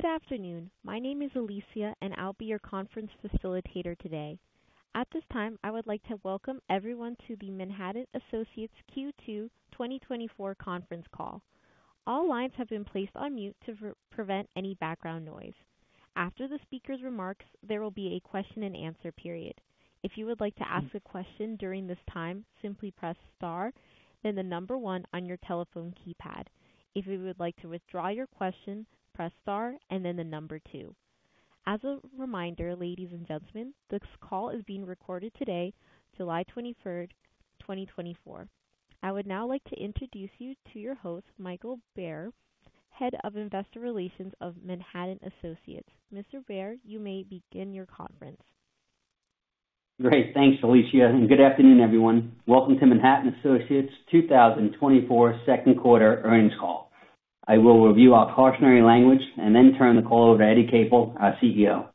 Good afternoon. My name is Alicia, and I'll be your conference facilitator today. At this time, I would like to welcome everyone to the Manhattan Associates Q2 2024 Conference Call. All lines have been placed on mute to prevent any background noise. After the speakers' remarks, there will be a question-and-answer period. If you would like to ask a question during this time, simply press star, then the number one on your telephone keypad. If you would like to withdraw your question, press star and then the number two. As a reminder, ladies and gentlemen, this call is being recorded today, July 23, 2024. I would now like to introduce you to your host, Michael Bauer, Head of Investor Relations of Manhattan Associates. Mr. Bauer, you may begin your conference. Great, thanks, Alicia, and good afternoon, everyone. Welcome to Manhattan Associates' 2024 second quarter earnings call. I will review our cautionary language and then turn the call over to Eddie Capel, our CEO.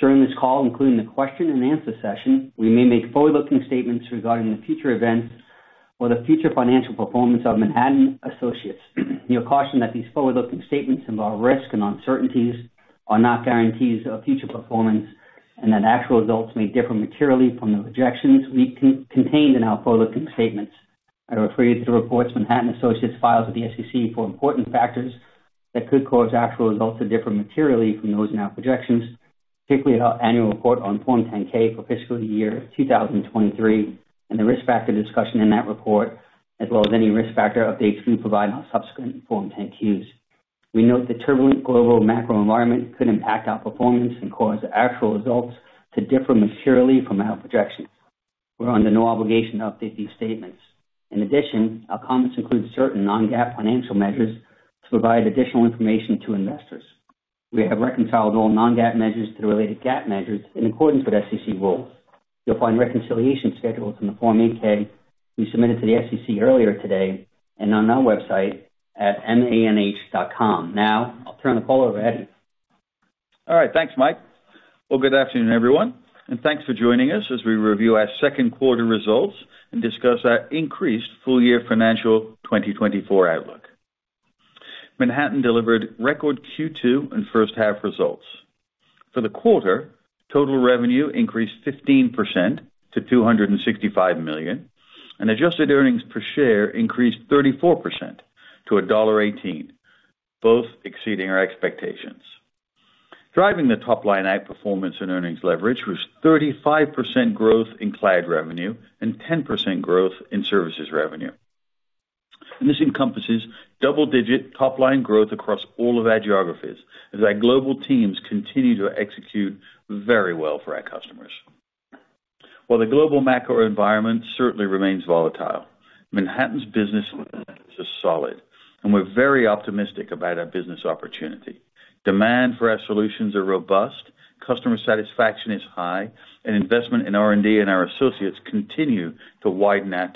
During this call, including the question and answer session, we may make forward-looking statements regarding the future events or the future financial performance of Manhattan Associates. We caution that these forward-looking statements involve risks and uncertainties, are not guarantees of future performance, and that actual results may differ materially from the projections we contained in our forward-looking statements. I refer you to the reports Manhattan Associates files with the SEC for important factors that could cause actual results to differ materially from those in our projections, particularly our annual report on Form 10-K for fiscal year 2023, and the risk factor discussion in that report, as well as any risk factor updates we provide on subsequent Form 10-Qs. We note the turbulent global macro environment could impact our performance and cause actual results to differ materially from our projections. We're under no obligation to update these statements. In addition, our comments include certain non-GAAP financial measures to provide additional information to investors. We have reconciled all non-GAAP measures to the related GAAP measures in accordance with SEC rules. You'll find reconciliation schedules in the Form 8-K we submitted to the SEC earlier today and on our website at manh.com. Now I'll turn the call over to Eddie. All right, thanks, Mike. Well, good afternoon, everyone, and thanks for joining us as we review our second quarter results and discuss our increased full-year financial 2024 outlook. Manhattan delivered record Q2 and first half results. For the quarter, total revenue increased 15% to $265 million, and adjusted earnings per share increased 34% to $1.18, both exceeding our expectations. Driving the top-line outperformance and earnings leverage was 35% growth in cloud revenue and 10% growth in services revenue. This encompasses double-digit top-line growth across all of our geographies as our global teams continue to execute very well for our customers. While the global macro environment certainly remains volatile, Manhattan's business is solid, and we're very optimistic about our business opportunity. Demand for our solutions are robust, customer satisfaction is high, and investment in R&D and our associates continue to widen our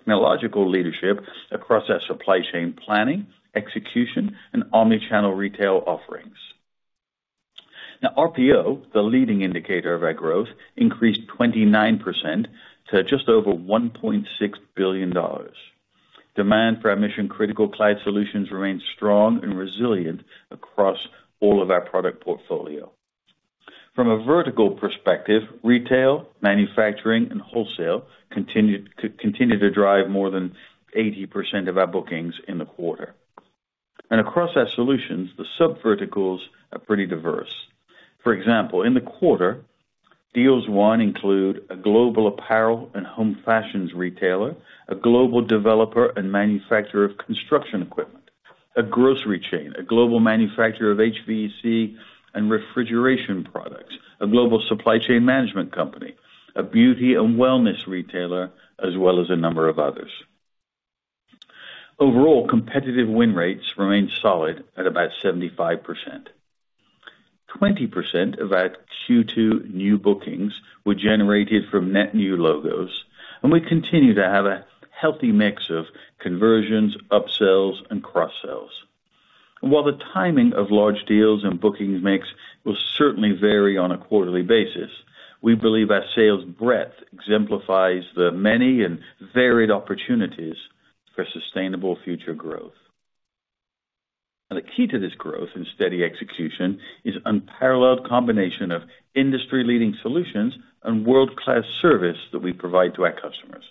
technological leadership across our supply chain planning, execution, and omni-channel retail offerings. Now RPO, the leading indicator of our growth, increased 29% to just over $1.6 billion. Demand for our mission-critical cloud solutions remains strong and resilient across all of our product portfolio. From a vertical perspective, retail, manufacturing, and wholesale continue to drive more than 80% of our bookings in the quarter. Across our solutions, the subverticals are pretty diverse. For example, in the quarter, deals won include a global apparel and home fashions retailer, a global developer and manufacturer of construction equipment, a grocery chain, a global manufacturer of HVAC and refrigeration products, a global supply chain management company, a beauty and wellness retailer, as well as a number of others. Overall, competitive win rates remained solid at about 75%. 20% of our Q2 new bookings were generated from net new logos, and we continue to have a healthy mix of conversions, upsells, and cross-sells. While the timing of large deals and bookings mix will certainly vary on a quarterly basis, we believe our sales breadth exemplifies the many and varied opportunities for sustainable future growth. Now, the key to this growth and steady execution is unparalleled combination of industry-leading solutions and world-class service that we provide to our customers.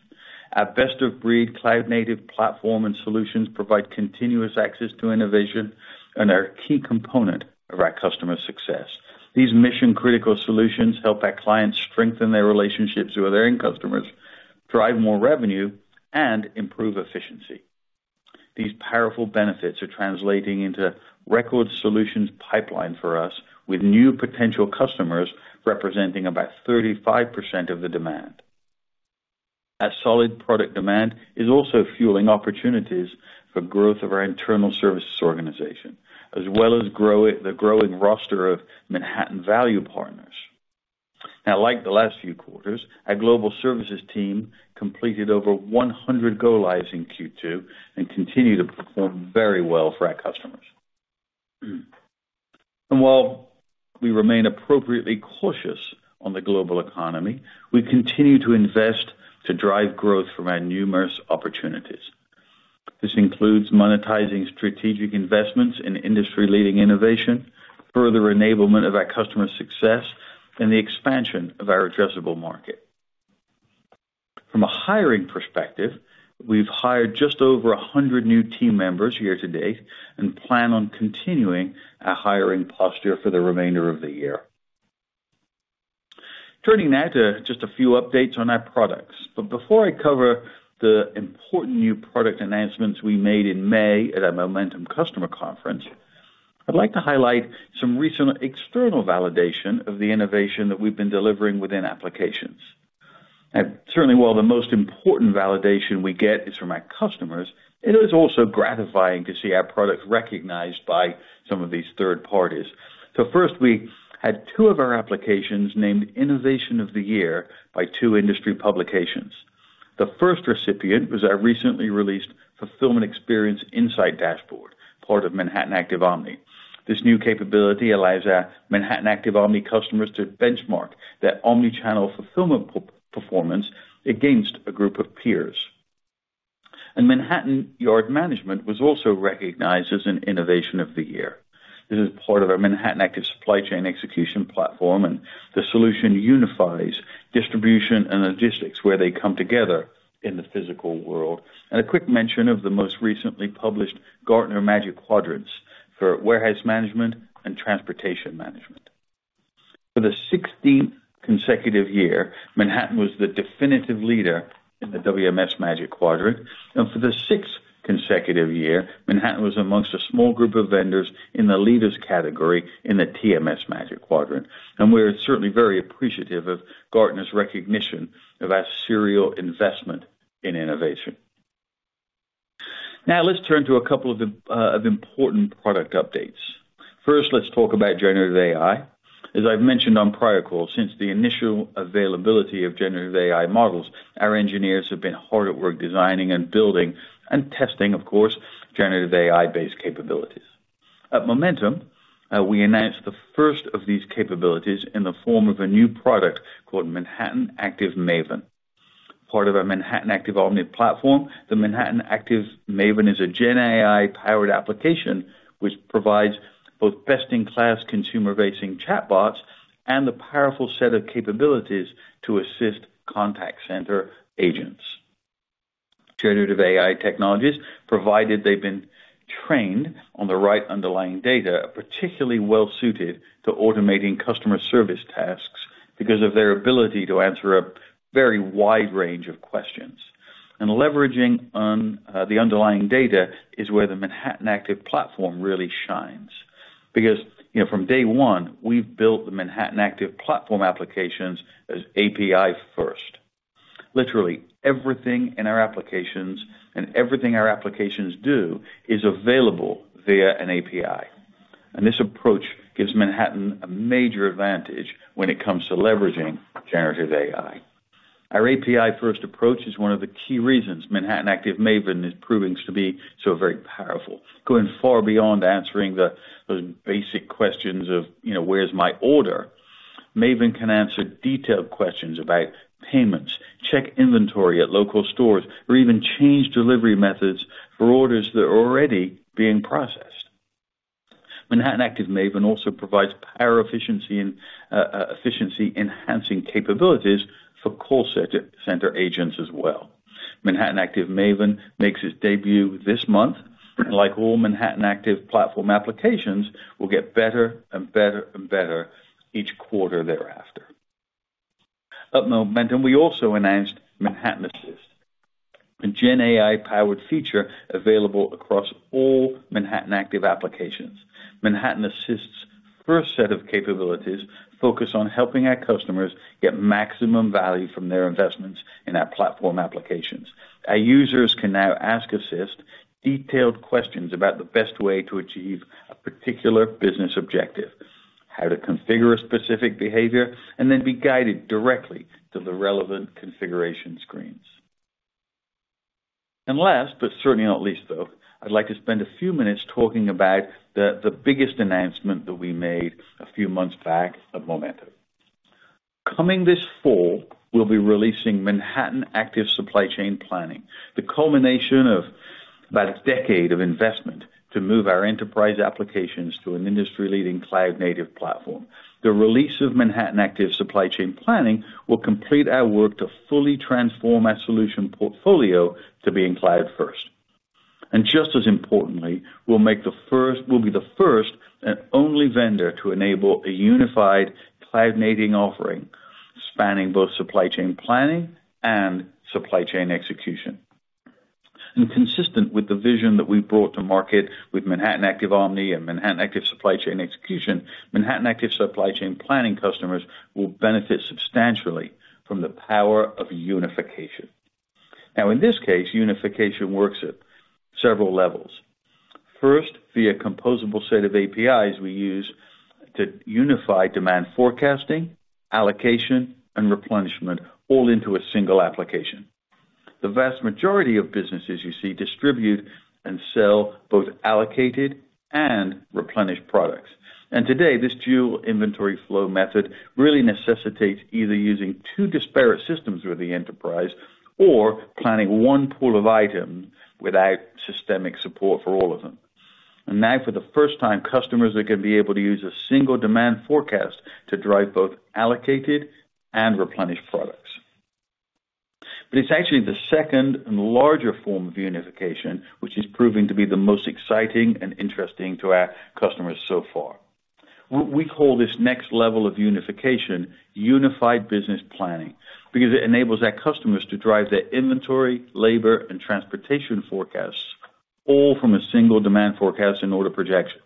Our best-of-breed cloud-native platform and solutions provide continuous access to innovation and are a key component of our customer success. These mission-critical solutions help our clients strengthen their relationships with their end customers, drive more revenue, and improve efficiency. These powerful benefits are translating into record solutions pipeline for us, with new potential customers representing about 35% of the demand. A solid product demand is also fueling opportunities for growth of our internal services organization, as well as the growing roster of Manhattan Value Partners. Now, like the last few quarters, our global services team completed over 100 go-lives in Q2 and continue to perform very well for our customers. While we remain appropriately cautious on the global economy, we continue to invest to drive growth from our numerous opportunities. This includes monetizing strategic investments in industry-leading innovation, further enablement of our customer success, and the expansion of our addressable market. From a hiring perspective, we've hired just over 100 new team members year to date and plan on continuing our hiring posture for the remainder of the year. Turning now to just a few updates on our products, but before I cover the important new product announcements we made in May at our Momentum Customer Conference, I'd like to highlight some recent external validation of the innovation that we've been delivering within applications. And certainly, while the most important validation we get is from our customers, it is also gratifying to see our products recognized by some of these third parties. So first, we had two of our applications named Innovation of the Year by two industry publications. The first recipient was our recently released Fulfillment Experience Insights dashboard, part of Manhattan Active Omni. This new capability allows our Manhattan Active Omni customers to benchmark their omni-channel fulfillment performance against a group of peers. Manhattan Yard Management was also recognized as an Innovation of the Year. This is part of our Manhattan Active Supply Chain Execution platform, and the solution unifies distribution and logistics, where they come together in the physical world. A quick mention of the most recently published Gartner Magic Quadrants for Warehouse Management and Transportation Management. For the 16 consecutive year, Manhattan was the definitive leader in the WMS Magic Quadrant, and for the sixth consecutive year, Manhattan was amongst a small group of vendors in the leaders category in the TMS Magic Quadrant, and we're certainly very appreciative of Gartner's recognition of our serial investment in innovation. Now, let's turn to a couple of important product updates. First, let's talk about generative AI. As I've mentioned on prior calls, since the initial availability of generative AI models, our engineers have been hard at work designing and building and testing, of course, generative AI-based capabilities. At Momentum, we announced the first of these capabilities in the form of a new product called Manhattan Active Maven. Part of our Manhattan Active Omni platform, the Manhattan Active Maven is a GenAI-powered application, which provides both best-in-class consumer-facing chatbots and a powerful set of capabilities to assist contact center agents. Generative AI technologies, provided they've been trained on the right underlying data, are particularly well suited to automating customer service tasks because of their ability to answer a very wide range of questions. And leveraging on, the underlying data is where the Manhattan Active Platform really shines. Because, you know, from day one, we've built the Manhattan Active Platform applications as API-first. Literally, everything in our applications and everything our applications do is available via an API, and this approach gives Manhattan a major advantage when it comes to leveraging generative AI. Our API-first approach is one of the key reasons Manhattan Active Maven is proving to be so very powerful. Going far beyond answering the basic questions of, you know, "Where's my order?" Maven can answer detailed questions about payments, check inventory at local stores, or even change delivery methods for orders that are already being processed. Manhattan Active Maven also provides power efficiency and efficiency enhancing capabilities for call center agents as well. Manhattan Active Maven makes its debut this month, and like all Manhattan Active Platform applications, will get better and better and better each quarter thereafter. At Momentum, we also announced Manhattan Assist, a GenAI powered feature available across all Manhattan Active applications. Manhattan Assist's first set of capabilities focus on helping our customers get maximum value from their investments in our platform applications. Our users can now ask Assist detailed questions about the best way to achieve a particular business objective, how to configure a specific behavior, and then be guided directly to the relevant configuration screens. And last, but certainly not least, though, I'd like to spend a few minutes talking about the biggest announcement that we made a few months back at Momentum. Coming this fall, we'll be releasing Manhattan Active Supply Chain Planning, the culmination of about a decade of investment to move our enterprise applications to an industry-leading cloud-native platform. The release of Manhattan Active Supply Chain Planning will complete our work to fully transform our solution portfolio to being cloud-first. And just as importantly, we'll be the first and only vendor to enable a unified cloud-native offering, spanning both supply chain planning and supply chain execution. And consistent with the vision that we brought to market with Manhattan Active Omni and Manhattan Active Supply Chain Execution, Manhattan Active Supply Chain Planning customers will benefit substantially from the power of unification. Now, in this case, unification works at several levels. First, via composable set of APIs we use to unify demand forecasting, allocation, and replenishment all into a single application. The vast majority of businesses you see distribute and sell both allocated and replenished products. Today, this dual inventory flow method really necessitates either using two disparate systems through the enterprise or planning one pool of items without systemic support for all of them. Now, for the first time, customers are going to be able to use a single demand forecast to drive both allocated and replenished products. But it's actually the second and larger form of unification, which is proving to be the most exciting and interesting to our customers so far. We call this next level of unification, Unified Business Planning, because it enables our customers to drive their inventory, labor, and transportation forecasts, all from a single demand forecast and order projection.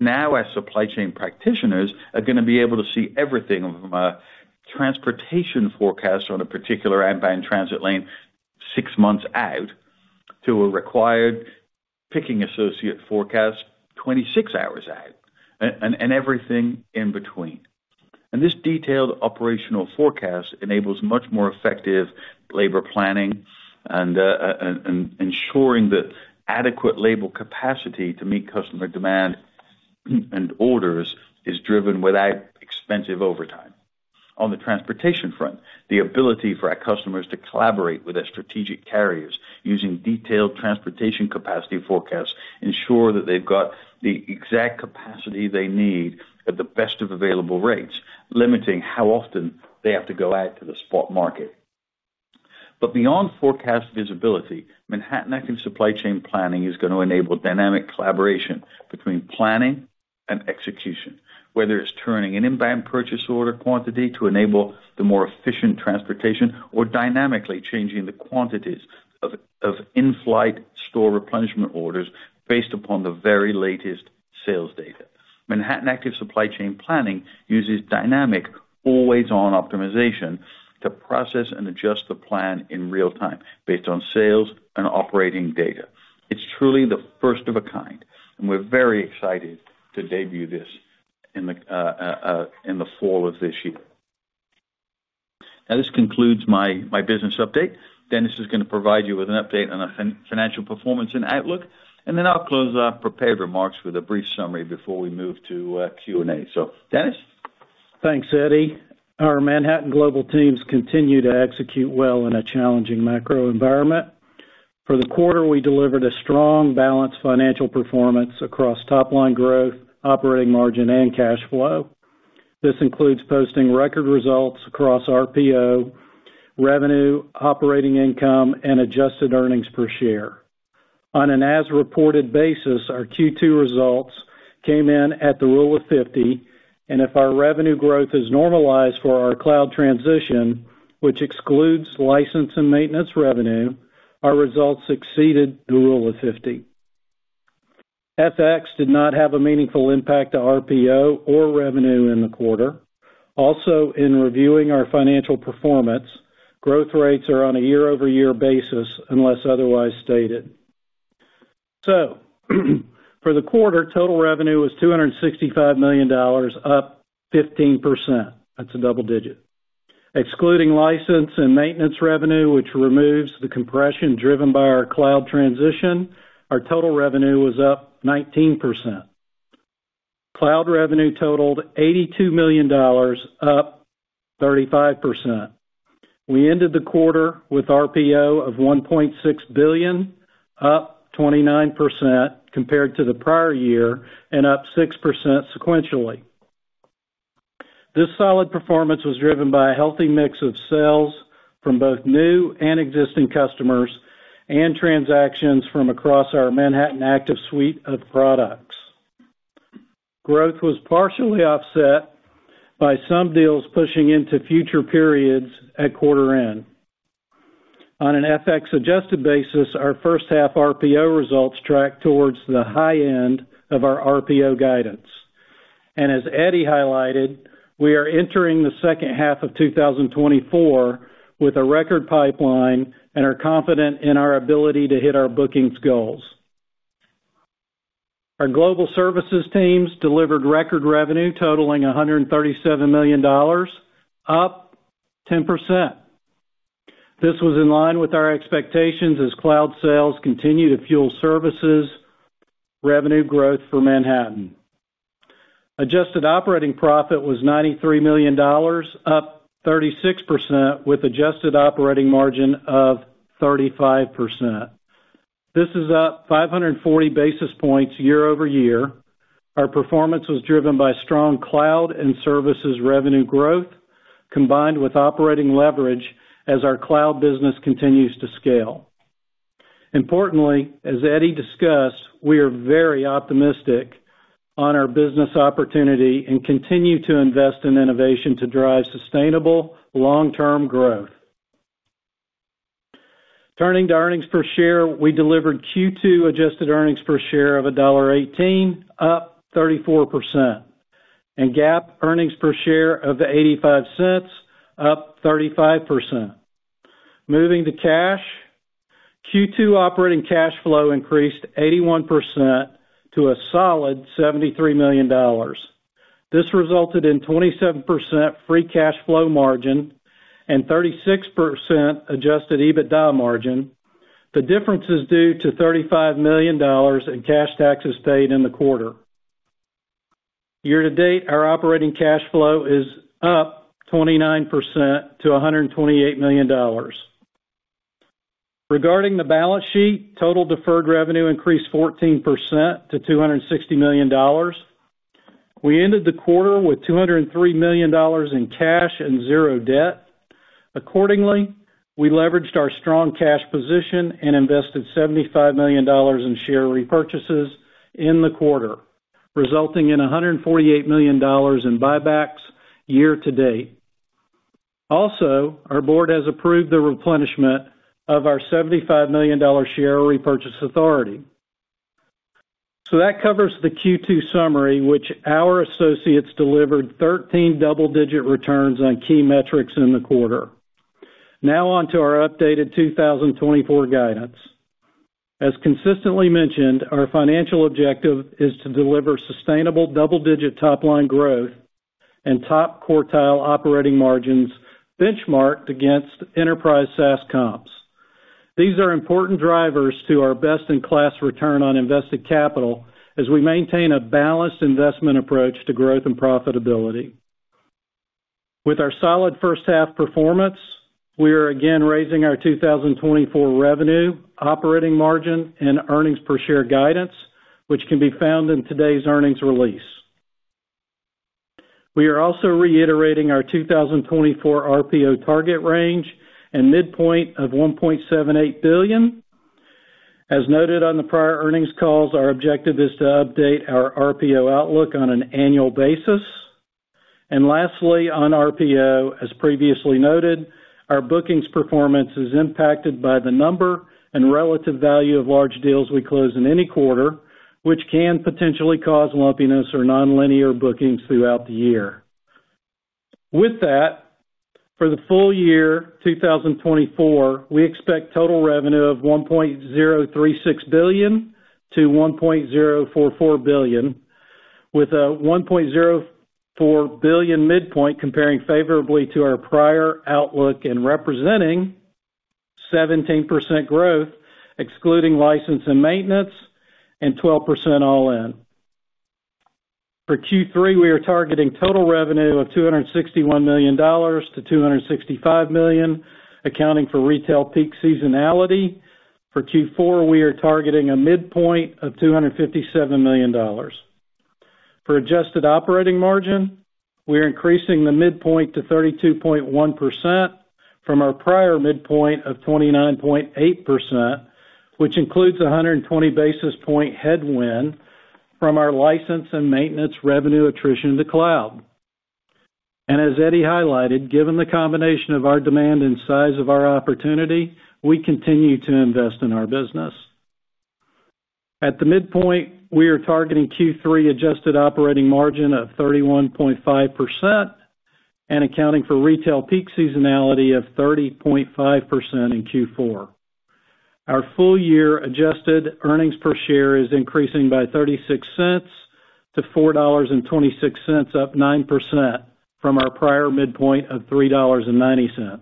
Now, our supply chain practitioners are going to be able to see everything from a transportation forecast on a particular inbound transit lane six months out, to a required picking associate forecast 26 hours out, and everything in between. And this detailed operational forecast enables much more effective labor planning and ensuring that adequate labor capacity to meet customer demand and orders is driven without expensive overtime. On the transportation front, the ability for our customers to collaborate with their strategic carriers using detailed transportation capacity forecasts ensures that they've got the exact capacity they need at the best of available rates, limiting how often they have to go out to the spot market. But beyond forecast visibility, Manhattan Active Supply Chain Planning is going to enable dynamic collaboration between planning and execution, whether it's turning an inbound purchase order quantity to enable the more efficient transportation, or dynamically changing the quantities of in-flight store replenishment orders based upon the very latest sales data. Manhattan Active Supply Chain Planning uses dynamic, always-on optimization to process and adjust the plan in real time, based on sales and operating data. It's truly the first of a kind, and we're very excited to debut this in the fall of this year. Now, this concludes my business update. Dennis is going to provide you with an update on our financial performance and outlook, and then I'll close the prepared remarks with a brief summary before we move to Q&A. So, Dennis? Thanks, Eddie. Our Manhattan global teams continue to execute well in a challenging macro environment. For the quarter, we delivered a strong, balanced financial performance across top-line growth, operating margin, and cash flow. This includes posting record results across RPO, revenue, operating income, and adjusted earnings per share. On an as-reported basis, our Q2 results came in at the Rule of 50, and if our revenue growth is normalized for our cloud transition, which excludes license and maintenance revenue, our results exceeded the Rule of 50. FX did not have a meaningful impact to RPO or revenue in the quarter. Also, in reviewing our financial performance, growth rates are on a year-over-year basis, unless otherwise stated. So for the quarter, total revenue was $265 million, up 15%. That's a double digit. Excluding license and maintenance revenue, which removes the compression driven by our cloud transition, our total revenue was up 19%. Cloud revenue totaled $82 million, up 35%. We ended the quarter with RPO of $1.6 billion, up 29% compared to the prior year and up 6% sequentially. This solid performance was driven by a healthy mix of sales from both new and existing customers, and transactions from across our Manhattan Active suite of products. Growth was partially offset by some deals pushing into future periods at quarter end. On an FX adjusted basis, our first half RPO results tracked towards the high end of our RPO guidance. And as Eddie highlighted, we are entering the second half of 2024 with a record pipeline and are confident in our ability to hit our bookings goals. Our global services teams delivered record revenue totaling $137 million, up 10%. This was in line with our expectations as cloud sales continue to fuel services revenue growth for Manhattan. Adjusted operating profit was $93 million, up 36%, with adjusted operating margin of 35%. This is up 540 basis points year-over-year. Our performance was driven by strong cloud and services revenue growth, combined with operating leverage as our cloud business continues to scale. Importantly, as Eddie discussed, we are very optimistic on our business opportunity and continue to invest in innovation to drive sustainable, long-term growth. Turning to earnings per share, we delivered Q2 adjusted earnings per share of $1.18, up 34%, and GAAP earnings per share of $0.85, up 35%. Moving to cash. Q2 operating cash flow increased 81% to a solid $73 million. This resulted in 27% free cash flow margin and 36% adjusted EBITDA margin. The difference is due to $35 million in cash taxes paid in the quarter. Year-to-date, our operating cash flow is up 29% to $128 million. Regarding the balance sheet, total deferred revenue increased 14% to $260 million. We ended the quarter with $203 million in cash and 0 debt. Accordingly, we leveraged our strong cash position and invested $75 million in share repurchases in the quarter, resulting in $148 million in buybacks year-to-date. Also, our board has approved the replenishment of our $75 million share repurchase authority. So that covers the Q2 summary, which our associates delivered 13 double-digit returns on key metrics in the quarter. Now on to our updated 2024 guidance. As consistently mentioned, our financial objective is to deliver sustainable double-digit top-line growth and top-quartile operating margins benchmarked against enterprise SaaS comps. These are important drivers to our best-in-class return on invested capital as we maintain a balanced investment approach to growth and profitability. With our solid first half performance, we are again raising our 2024 revenue, operating margin, and earnings per share guidance, which can be found in today's earnings release. We are also reiterating our 2024 RPO target range and midpoint of $1.78 billion. As noted on the prior earnings calls, our objective is to update our RPO outlook on an annual basis. Lastly, on RPO, as previously noted, our bookings performance is impacted by the number and relative value of large deals we close in any quarter, which can potentially cause lumpiness or nonlinear bookings throughout the year. With that, for the full year 2024, we expect total revenue of $1.036 billion-$1.044 billion, with a $1.04 billion midpoint, comparing favorably to our prior outlook and representing 17% growth, excluding license and maintenance, and 12% all-in. For Q3, we are targeting total revenue of $261 million-$265 million, accounting for retail peak seasonality. For Q4, we are targeting a midpoint of $257 million. For adjusted operating margin, we are increasing the midpoint to 32.1% from our prior midpoint of 29.8%, which includes 120 basis point headwind from our license and maintenance revenue attrition in the cloud. And as Eddie highlighted, given the combination of our demand and size of our opportunity, we continue to invest in our business. At the midpoint, we are targeting Q3 adjusted operating margin of 31.5% and accounting for retail peak seasonality of 30.5% in Q4. Our full year adjusted earnings per share is increasing by $0.36 to $4.26, up 9% from our prior midpoint of $3.90.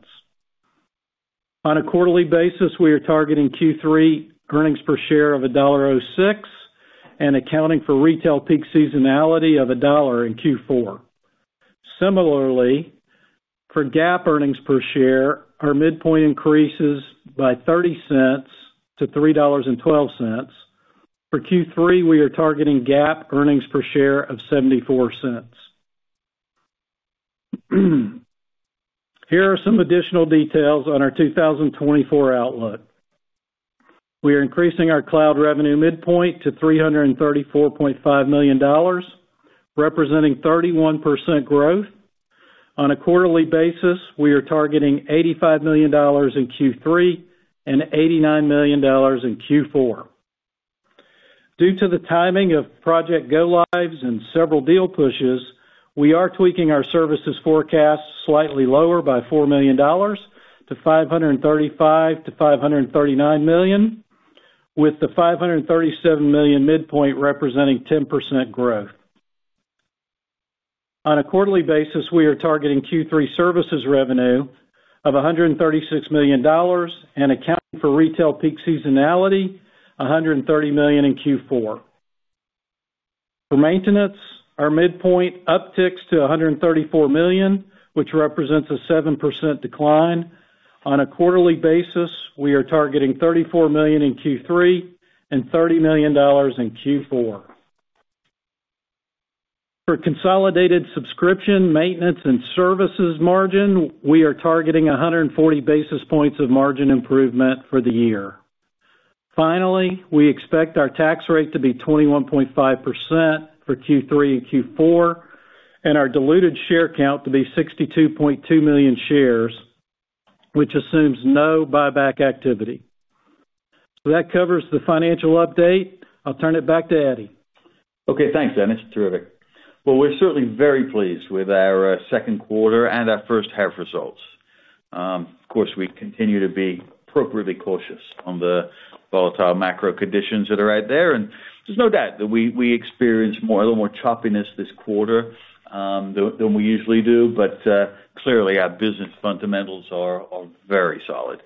On a quarterly basis, we are targeting Q3 earnings per share of $1.06, and accounting for retail peak seasonality of $1 in Q4. Similarly, for GAAP earnings per share, our midpoint increases by $0.30 to $3.12. For Q3, we are targeting GAAP earnings per share of $0.74. Here are some additional details on our 2024 outlook. We are increasing our cloud revenue midpoint to $334.5 million, representing 31% growth. On a quarterly basis, we are targeting $85 million in Q3 and $89 million in Q4. Due to the timing of project go-lives and several deal pushes, we are tweaking our services forecast slightly lower by $4 million to $535 million-$539 million, with the $537 million midpoint representing 10% growth. On a quarterly basis, we are targeting Q3 services revenue of $136 million, and accounting for retail peak seasonality, $130 million in Q4. For maintenance, our midpoint upticks to $134 million, which represents a 7% decline. On a quarterly basis, we are targeting $34 million in Q3 and $30 million in Q4. For consolidated subscription, maintenance, and services margin, we are targeting 140 basis points of margin improvement for the year. Finally, we expect our tax rate to be 21.5% for Q3 and Q4, and our diluted share count to be 62.2 million shares, which assumes no buyback activity. So that covers the financial update. I'll turn it back to Eddie. Okay, thanks, Dennis. Terrific. Well, we're certainly very pleased with our second quarter and our first half results. Of course, we continue to be appropriately cautious on the volatile macro conditions that are out there, and there's no doubt that we experienced a little more choppiness this quarter than we usually do, but clearly, our business fundamentals are very solid.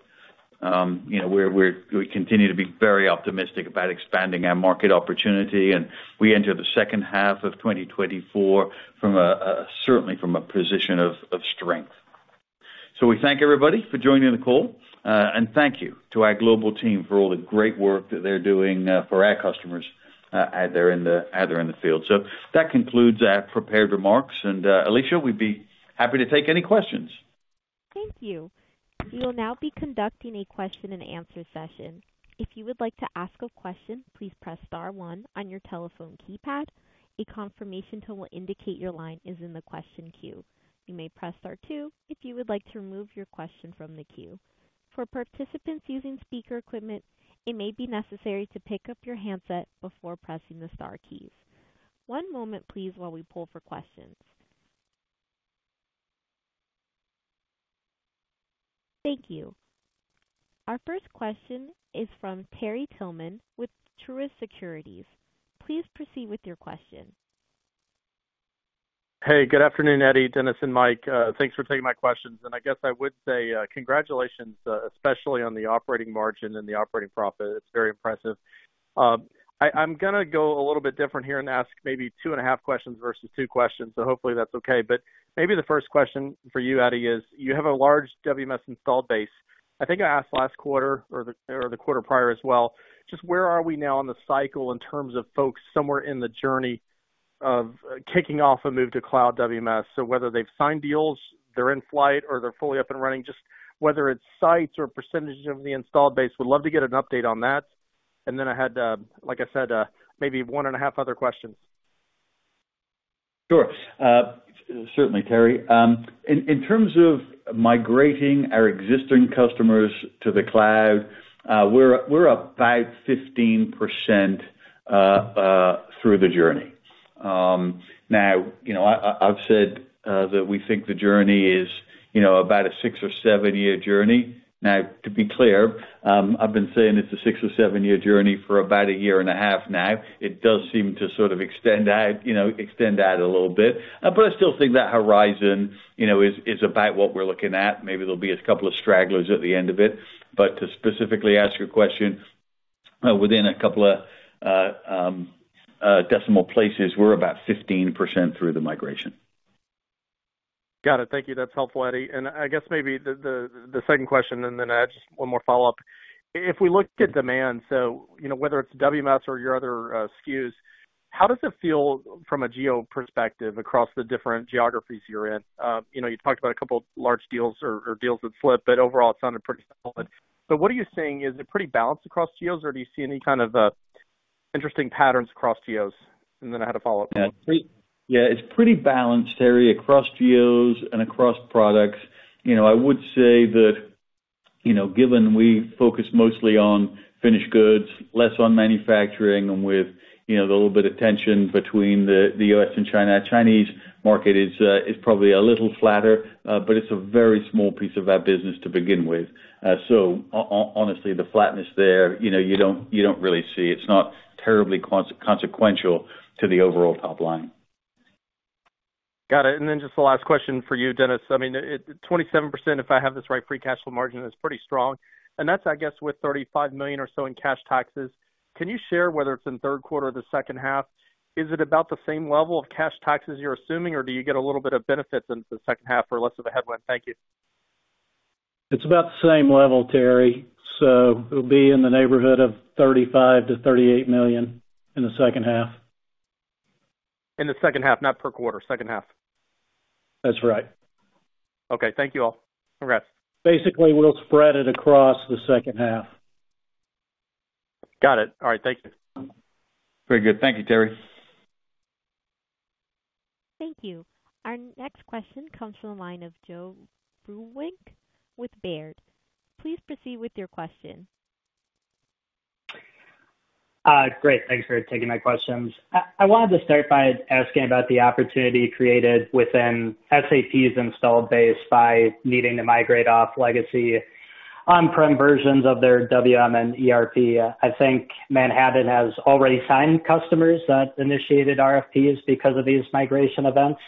You know, we're—we continue to be very optimistic about expanding our market opportunity, and we enter the second half of 2024 from a certainly from a position of strength. So we thank everybody for joining the call, and thank you to our global team for all the great work that they're doing for our customers out there in the field. That concludes our prepared remarks, and, Alicia, we'd be happy to take any questions. Thank you. We will now be conducting a question-and-answer session. If you would like to ask a question, please press star one on your telephone keypad. A confirmation tone will indicate your line is in the question queue. You may press star two if you would like to remove your question from the queue. For participants using speaker equipment, it may be necessary to pick up your handset before pressing the star keys. One moment, please, while we pull for questions. Thank you. Our first question is from Terry Tillman with Truist Securities. Please proceed with your question. Hey, good afternoon, Eddie, Dennis, and Mike. Thanks for taking my questions. And I guess I would say, congratulations, especially on the operating margin and the operating profit. It's very impressive. I'm gonna go a little bit different here and ask maybe two and a half questions versus two questions, so hopefully that's okay. But maybe the first question for you, Eddie, is: You have a large WMS installed base. I think I asked last quarter or the quarter prior as well. Just where are we now in the cycle in terms of folks somewhere in the journey of, kicking off a move to cloud WMS? So whether they've signed deals, they're in flight or they're fully up and running, just whether it's sites or percentage of the installed base, would love to get an update on that. Then I had, like I said, maybe one and a half other questions. Sure. Certainly, Terry. In terms of migrating our existing customers to the cloud, we're about 15% through the journey. Now, you know, I've said that we think the journey is, you know, about a six- or seven-year journey. Now, to be clear, I've been saying it's a six- or seven-year journey for about a year and a half now. It does seem to sort of extend out, you know, extend out a little bit, but I still think that horizon, you know, is about what we're looking at. Maybe there'll be a couple of stragglers at the end of it. But to specifically ask your question, within a couple of decimal places, we're about 15% through the migration. Got it. Thank you. That's helpful, Eddie. And I guess maybe the second question, and then I have just one more follow-up. If we look at demand, so, you know, whether it's WMS or your other SKUs, how does it feel from a geo perspective across the different geographies you're in? You know, you talked about a couple of large deals or deals that slipped, but overall, it sounded pretty solid. So what are you seeing? Is it pretty balanced across geos, or do you see any kind of interesting patterns across geos? And then I had a follow-up. Yeah, it's pretty balanced, Terry, across geos and across products. You know, I would say that, you know, given we focus mostly on finished goods, less on manufacturing and with, you know, the little bit of tension between the U.S. and China. Chinese market is probably a little flatter, but it's a very small piece of our business to begin with. So honestly, the flatness there, you know, you don't really see. It's not terribly consequential to the overall top line. Got it. And then just the last question for you, Dennis. I mean, it, 27%, if I have this right, free cash flow margin is pretty strong, and that's, I guess, with $35 million or so in cash taxes. Can you share whether it's in the third quarter or the second half, is it about the same level of cash taxes you're assuming, or do you get a little bit of benefits in the second half or less of a headwind? Thank you. It's about the same level, Terry, so it'll be in the neighborhood of $35 million-$38 million in the second half. In the second half, not per quarter, second half? That's right. Okay. Thank you all. Congrats. Basically, we'll spread it across the second half. Got it. All right, thank you. Very good. Thank you, Terry. Thank you. Our next question comes from the line of Joe Vruwink with Baird. Please proceed with your question. Great, thanks for taking my questions. I wanted to start by asking about the opportunity created within SAP's installed base by needing to migrate off legacy on-prem versions of their WM and ERP. I think Manhattan has already signed customers that initiated RFPs because of these migration events.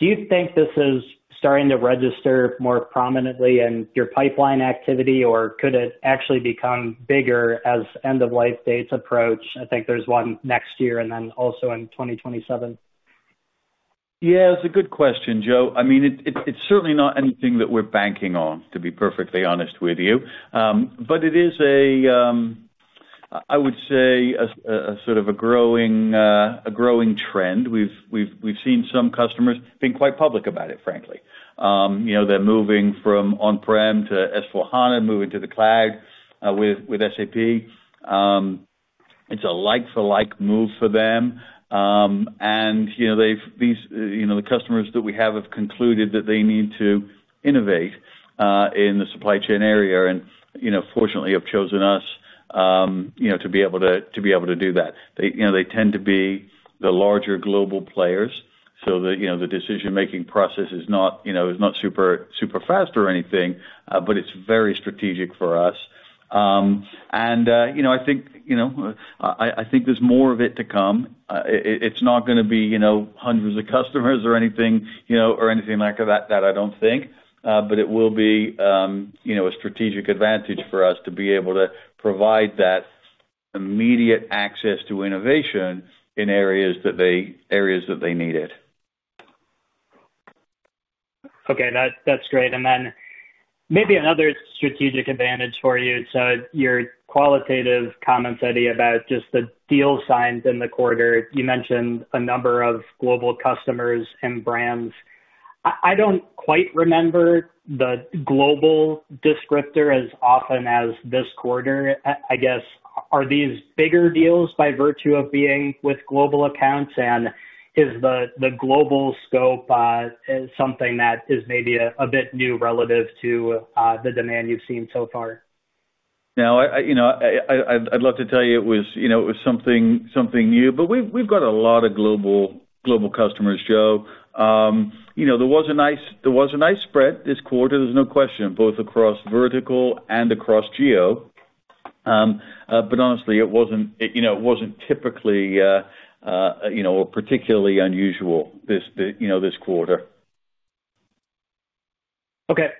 Do you think this is starting to register more prominently in your pipeline activity, or could it actually become bigger as end-of-life dates approach? I think there's one next year and then also in 2027. Yeah, it's a good question, Joe. I mean, it's certainly not anything that we're banking on, to be perfectly honest with you. But it is a, I would say, a sort of a growing trend. We've seen some customers being quite public about it, frankly. You know, they're moving from on-prem to S/4HANA, moving to the cloud, with SAP. It's a like for like move for them. And, you know, they've these, you know, the customers that we have, have concluded that they need to innovate, in the supply chain area and, you know, fortunately have chosen us. You know, to be able to, to be able to do that. They, you know, they tend to be the larger global players, so, you know, the decision-making process is not, you know, is not super, super fast or anything, but it's very strategic for us. And, you know, I think, you know, I think there's more of it to come. It's not gonna be, you know, hundreds of customers or anything, you know, or anything like that, that I don't think. But it will be, you know, a strategic advantage for us to be able to provide that immediate access to innovation in areas that they need it. Okay. That, that's great. And then maybe another strategic advantage for you. So your qualitative comments, Eddie, about just the deals signed in the quarter. You mentioned a number of global customers and brands. I don't quite remember the global descriptor as often as this quarter. I guess, are these bigger deals by virtue of being with global accounts? And is the global scope something that is maybe a bit new relative to the demand you've seen so far? No, you know, I'd love to tell you it was, you know, it was something new, but we've got a lot of global customers, Joe. You know, there was a nice spread this quarter, there's no question, both across vertical and across geo. But honestly, it wasn't, you know, it wasn't typically, you know, particularly unusual this, you know, this quarter. Okay,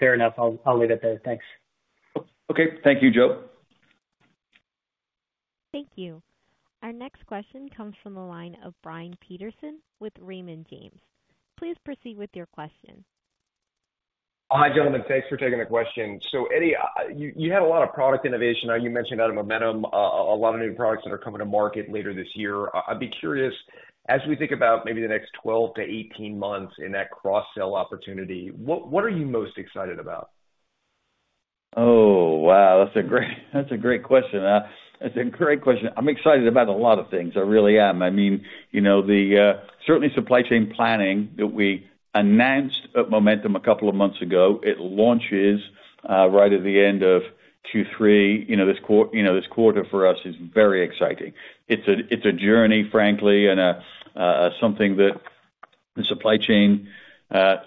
fair enough. I'll leave it there. Thanks. Okay. Thank you, Joe. Thank you. Our next question comes from the line of Brian Peterson with Raymond James. Please proceed with your question. Hi, gentlemen. Thanks for taking the question. So Eddie, you had a lot of product innovation. Now, you mentioned out of Momentum, a lot of new products that are coming to market later this year. I'd be curious, as we think about maybe the next 12 to 18 months in that cross-sell opportunity, what are you most excited about? Oh, wow! That's a great, that's a great question. That's a great question. I'm excited about a lot of things. I really am. I mean, you know, the certainly supply chain planning that we announced at Momentum a couple of months ago, it launches right at the end of Q3. You know, this quarter for us is very exciting. It's a journey, frankly, and something that the supply chain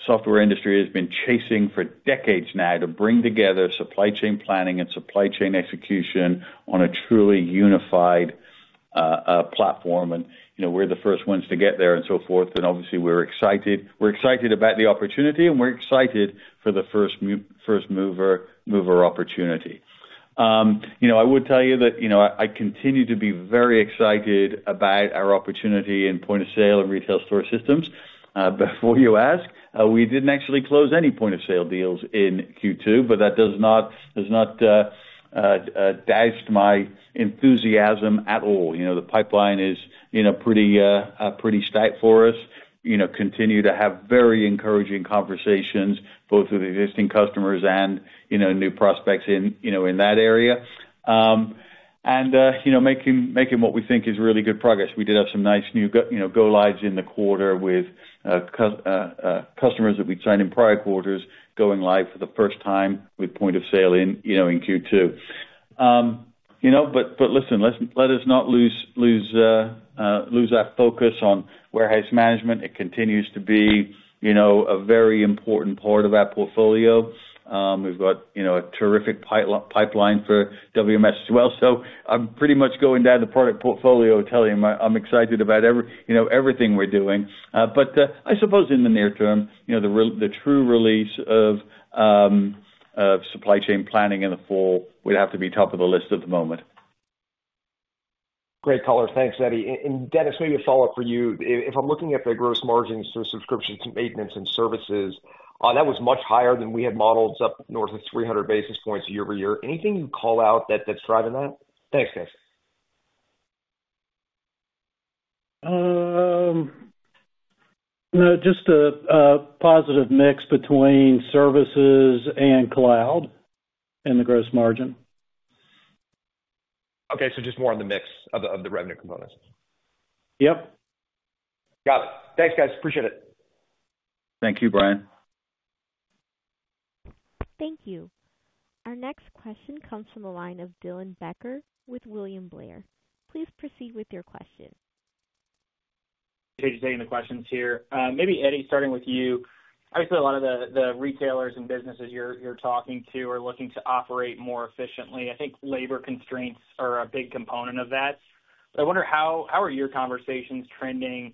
software industry has been chasing for decades now to bring together supply chain planning and supply chain execution on a truly unified platform. And, you know, we're the first ones to get there and so forth. And obviously, we're excited. We're excited about the opportunity, and we're excited for the first mover, mover opportunity. You know, I would tell you that, you know, I, I continue to be very excited about our opportunity in point of sale and retail store systems. Before you ask, we didn't actually close any point of sale deals in Q2, but that does not dampen my enthusiasm at all. You know, the pipeline is, you know, pretty steep for us. You know, continue to have very encouraging conversations, both with existing customers and, you know, new prospects in, you know, in that area. And making what we think is really good progress. We did have some nice new go-lives in the quarter with customers that we'd signed in prior quarters, going live for the first time with point of sale in, you know, in Q2. You know, but listen, let's let us not lose our focus on warehouse management. It continues to be, you know, a very important part of our portfolio. We've got, you know, a terrific pipeline for WMS as well. So I'm pretty much going down the product portfolio telling you I'm excited about every, you know, everything we're doing. But I suppose in the near term, you know, the true release of supply chain planning in the fall would have to be top of the list at the moment. Great color. Thanks, Eddie. And Dennis, maybe a follow-up for you. If I'm looking at the gross margins for subscriptions, maintenance, and services, that was much higher than we had modeled, up north of 300 basis points year-over-year. Anything you call out that that's driving that? Thanks, guys. No, just a positive mix between services and cloud and the gross margin. Okay, so just more on the mix of the revenue components? Yep. Got it. Thanks, guys. Appreciate it. Thank you, Brian. Thank you. Our next question comes from the line of Dylan Becker with William Blair. Please proceed with your question. Thanks for taking the questions here. Maybe, Eddie, starting with you. Obviously, a lot of the retailers and businesses you're talking to are looking to operate more efficiently. I think labor constraints are a big component of that. But I wonder how are your conversations trending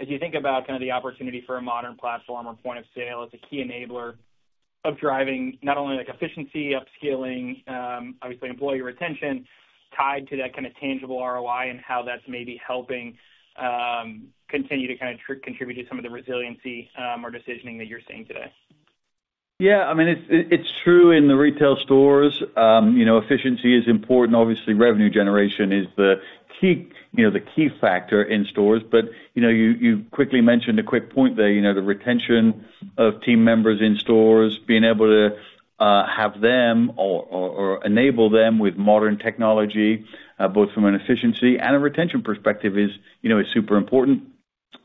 as you think about kind of the opportunity for a modern platform or point of sale as a key enabler of driving not only, like, efficiency, upskilling, obviously employee retention, tied to that kind of tangible ROI and how that's maybe helping continue to kind of contribute to some of the resiliency, or decisioning that you're seeing today? Yeah, I mean, it's true in the retail stores. You know, efficiency is important. Obviously, revenue generation is the key, you know, the key factor in stores. But, you know, you quickly mentioned a quick point there, you know, the retention of team members in stores, being able to have them or enable them with modern technology, both from an efficiency and a retention perspective is, you know, super important.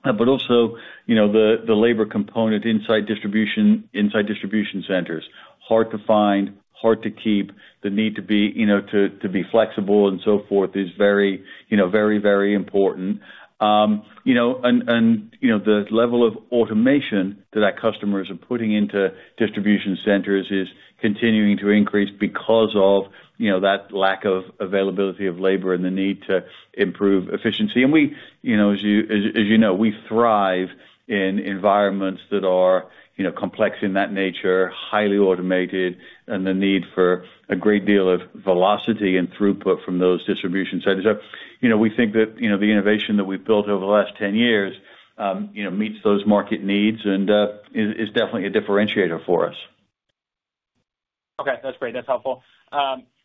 But also, you know, the labor component inside distribution, inside distribution centers, hard to find, hard to keep. The need to be, you know, to be flexible and so forth is very, you know, very, very important. You know, the level of automation that our customers are putting into distribution centers is continuing to increase because of, you know, that lack of availability of labor and the need to improve efficiency. And we, you know, as you know, we thrive in environments that are, you know, complex in that nature, highly automated, and the need for a great deal of velocity and throughput from those distribution centers. You know, we think that, you know, the innovation that we've built over the last 10 years, you know, meets those market needs and, is definitely a differentiator for us. Okay, that's great. That's helpful.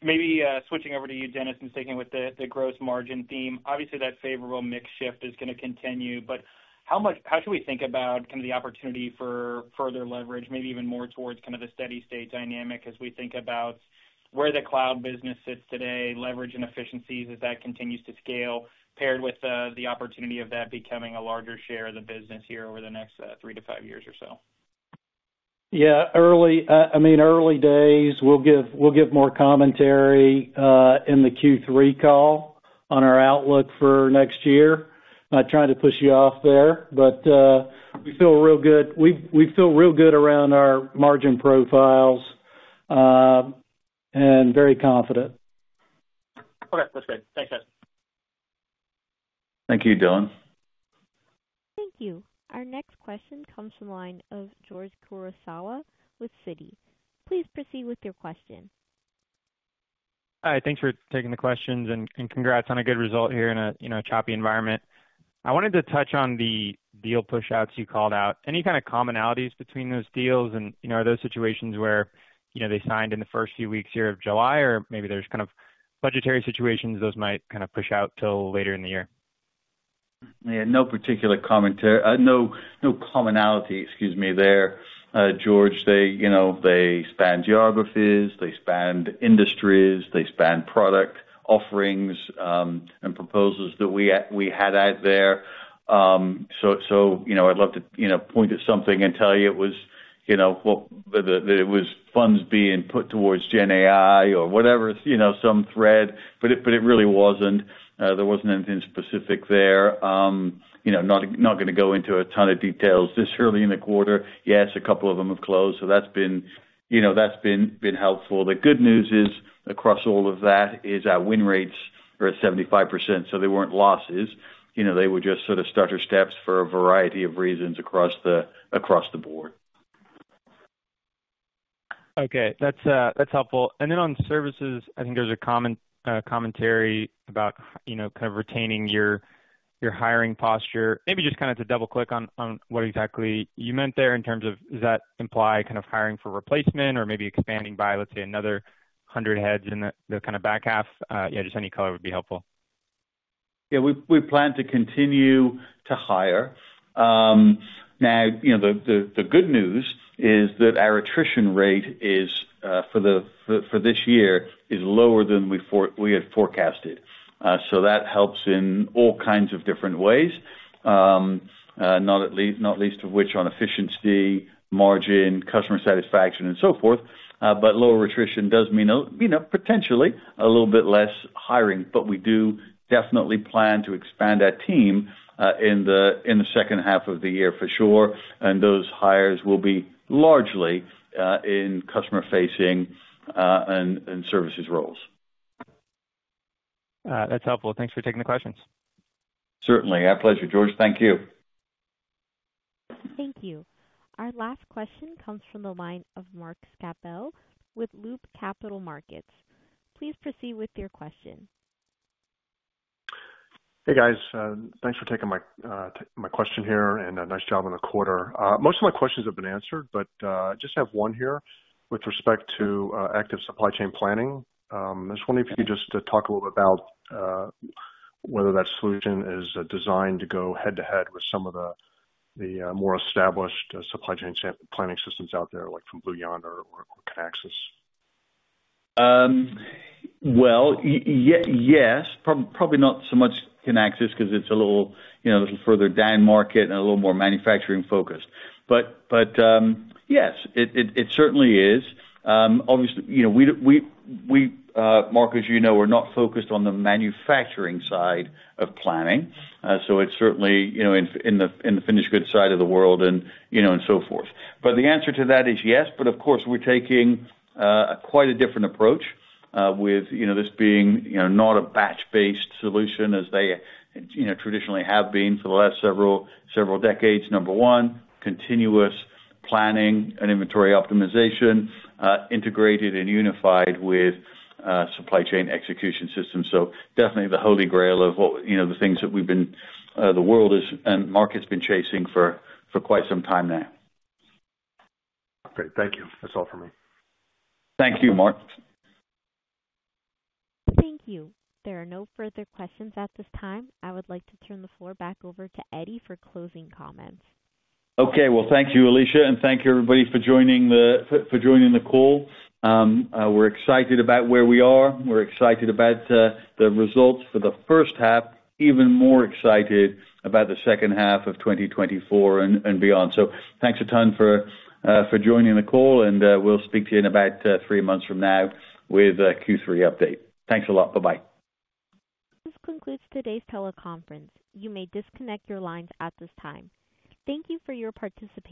Maybe switching over to you, Dennis, and sticking with the gross margin theme. Obviously, that favorable mix shift is gonna continue, but how should we think about kind of the opportunity for further leverage, maybe even more towards kind of the steady state dynamic, as we think about where the cloud business sits today, leverage and efficiencies, as that continues to scale, paired with the opportunity of that becoming a larger share of the business here over the next three to five years or so? Yeah, early, I mean, early days, we'll give more commentary in the Q3 call on our outlook for next year. Not trying to push you off there, but, we feel real good. We feel real good around our margin profiles, and very confident. Okay. That's great. Thanks, guys. Thank you, Dylan. Thank you. Our next question comes from the line of George Kurosawa with Citi. Please proceed with your question. Hi, thanks for taking the questions, and congrats on a good result here in a, you know, choppy environment. I wanted to touch on the deal push-outs you called out. Any kind of commonalities between those deals, and, you know, are those situations where, you know, they signed in the first few weeks here of July, or maybe there's kind of budgetary situations, those might kind of push out till later in the year? Yeah, no particular commentary. No, commonality, excuse me there, George. They, you know, they span geographies, they span industries, they span product offerings, and proposals that we had out there. So, you know, I'd love to, you know, point at something and tell you it was, you know, what, that, that it was funds being put towards GenAI or whatever, you know, some thread, but it, but it really wasn't. There wasn't anything specific there. You know, not gonna go into a ton of details this early in the quarter. Yes, a couple of them have closed, so that's been, you know, that's been, been helpful. The good news is, across all of that, is our win rates are at 75%, so they weren't losses. You know, they were just sort of starter steps for a variety of reasons across the board. Okay. That's, that's helpful. And then on services, I think there's a common commentary about, you know, kind of retaining your, your hiring posture. Maybe just kind of to double-click on, on what exactly you meant there in terms of, does that imply kind of hiring for replacement or maybe expanding by, let's say, another 100 heads in the, the kind of back half? Yeah, just any color would be helpful. Yeah, we plan to continue to hire. Now, you know, the good news is that our attrition rate for this year is lower than we had forecasted. So that helps in all kinds of different ways, not least of which on efficiency, margin, customer satisfaction, and so forth. But lower attrition does mean, you know, potentially a little bit less hiring. But we do definitely plan to expand our team in the second half of the year for sure, and those hires will be largely in customer-facing and services roles. That's helpful. Thanks for taking the questions. Certainly. Our pleasure, George. Thank you. Thank you. Our last question comes from the line of Mark Schappel with Loop Capital Markets. Please proceed with your question. Hey, guys. Thanks for taking my question here, and nice job on the quarter. Most of my questions have been answered, but just have one here with respect to Active Supply Chain Planning. I was wondering if you could just talk a little about whether that solution is designed to go head-to-head with some of the more established supply chain planning systems out there, like from Blue Yonder or Kinaxis. Well, yes, probably not so much Kinaxis, 'cause it's a little, you know, a little further down market and a little more manufacturing focused. But yes, it certainly is. Obviously, you know, we, Mark, as you know, we're not focused on the manufacturing side of planning, so it's certainly, you know, in the finished goods side of the world and so forth. But the answer to that is yes, but of course, we're taking quite a different approach with this being not a batch-based solution, as they traditionally have been for the last several decades. Number one, continuous planning and inventory optimization integrated and unified with supply chain execution systems. So definitely the holy grail of what, you know, the things that we've been, the world is, and markets been chasing for, for quite some time now. Great. Thank you. That's all for me. Thank you, Mark. Thank you. There are no further questions at this time. I would like to turn the floor back over to Eddie for closing comments. Okay. Well, thank you, Alicia, and thank you, everybody, for joining the call. We're excited about where we are. We're excited about the results for the first half, even more excited about the second half of 2024 and beyond. So thanks a ton for joining the call, and we'll speak to you in about three months from now with a Q3 update. Thanks a lot. Bye-bye. This concludes today's teleconference. You may disconnect your lines at this time. Thank you for your participation.